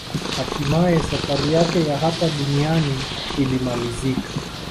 Hatimaye safari yake ya hapa duniani ilimalizika